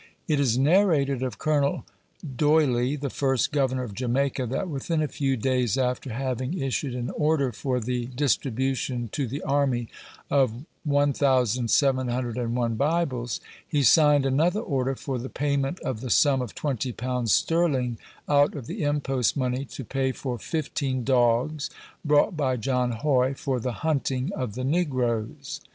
It is narrated of Colonel D'Oyley, the first governor of Jamaica, that within a few days after having issued an order " for the dis tribution to the army of 1701 Bibles/' he signed another order for the " payment of the summe of twenty pounds sterling, out of the impost money, to pay for fifteen doggs, brought by John Hoy, for the hunting of the negroes."